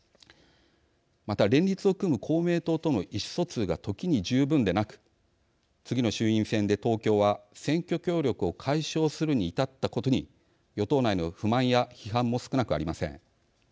また、連立を組む公明党との意思疎通が時に十分でなく次の衆院選で東京は、選挙協力を解消するに至ったことに与党内の不満や批判も少なくありません。